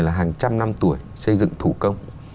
là hàng trăm năm tuổi xây dựng thủ công